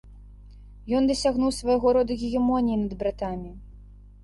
Ён дасягнуў свайго роду гегемоніі над братамі.